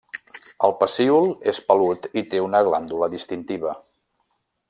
El pecíol és pelut i té una glàndula distintiva.